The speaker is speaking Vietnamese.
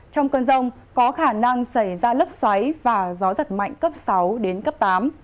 trong cơn rông có khả năng xảy ra lốc xoáy và gió giật mạnh cấp sáu đến cấp tám